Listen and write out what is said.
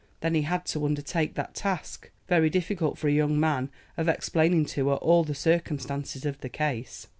Then he had to undertake that task, very difficult for a young man, of explaining to her all the circumstances of the case.